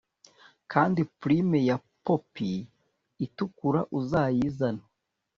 kandi plume ya poppy itukura uzayizane